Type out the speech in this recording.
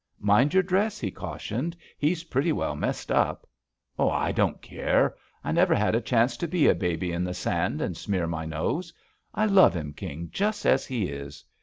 "Mind your dress," he cautioned. "He's pretty well messed up." "I doh't care. I never had a chance to be a baby in the sand and smear my nose. I love him. King, just as he is."